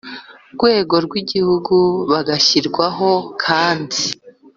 rwego rw Igihugu bagashyirwaho kandi